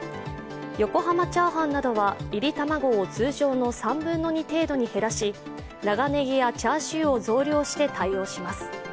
横濱チャーハンなどは炒り卵を通常の３分の２程度に減らし長ねぎやチャーシューを増量して対応します。